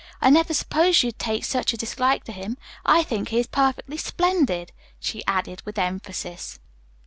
I never supposed you'd take such a dislike to him. I think he is perfectly splendid," she added with emphasis.